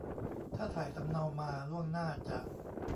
ถ้าถ่ายสำเนามาล่วงหน้าจะ